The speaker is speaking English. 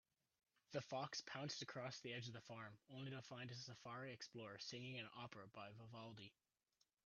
The fox pounced across the edge of the farm, only to find a safari explorer singing an opera by Vivaldi.